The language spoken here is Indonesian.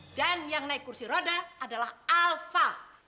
dan yang naik kursi roda adalah alva